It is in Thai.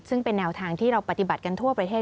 ซึ่งเป็นแนวทางที่เราปฏิบัติกันทั่วประเทศ